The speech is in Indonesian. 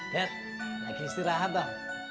dad lagi istri lahat dong